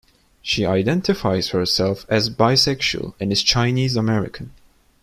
She identifies herself as bisexual and is Chinese American.